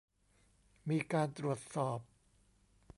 มีการตรวจสอบ